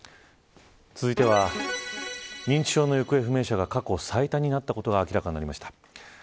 続いては認知症の行方不明者が過去最多になったことが明らかになりました。